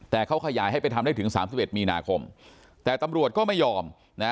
แต่เขาขยายให้ไปทำได้ถึง๓๑มีนาคมแต่ตำรวจก็ไม่ยอมนะ